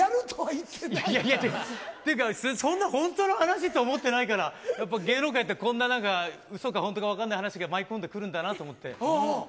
というか、そんな本当の話と思ってないから、やっぱり、芸能界って、こんなうそか本当か分かんない話が舞い込んでくるんだなと思って。